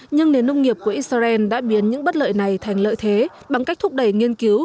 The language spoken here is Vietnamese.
nhưng nền nông nghiệp của israel đã biến những bất lợi này thành lợi thế bằng cách thúc đẩy nghiên cứu